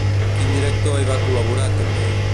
Quin director hi va col·laborar també?